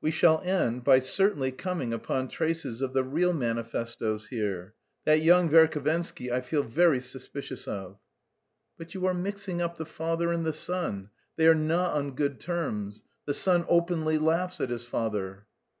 "We shall end by certainly coming upon traces of the real manifestoes here. That young Verhovensky I feel very suspicious of." "But you are mixing up the father and the son. They are not on good terms. The son openly laughs at his father."